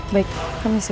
baik permisi pak